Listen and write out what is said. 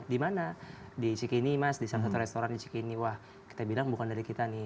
di mana di cikini mas di salah satu restoran di cikini wah kita bilang bukan dari kita nih